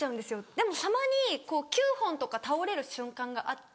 でもたまに９本とか倒れる瞬間があって。